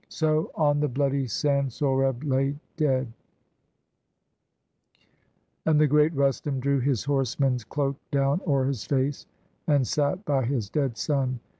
So, on the bloody sand, Sohrab lay dead : And the great Rustum drew his horseman's cloak Down o'er his face, and sate by his dead son.